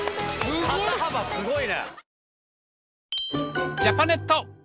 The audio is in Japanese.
肩幅すごいな。